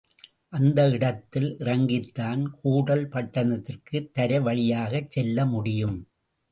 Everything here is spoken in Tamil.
அந்த இடத்தில் இறங்கித்தான் கூடல் பட்டணத்திற்குத் தரைவழியாகச் செல்ல முடியும்.